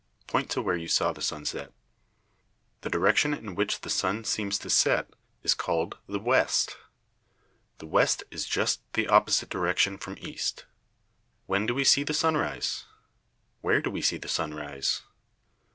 Point to where you saw the sun set. The direction in which the sun seems to set is called the west. The west is just the opposite direction from east. When do we see the sun rise? Where do we see the sun rise?